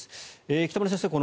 北村先生